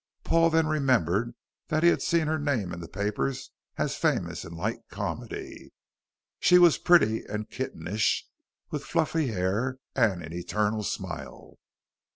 Paul then remembered that he had seen her name in the papers as famous in light comedy. She was pretty and kittenish, with fluffy hair and an eternal smile.